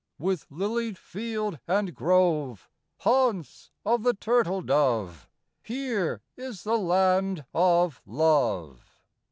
With lilied field and grove, Haunts of the turtle dove, Here is the land of Love.